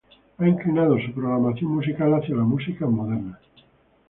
Ha inclinado su programación musical hacia las músicas modernas.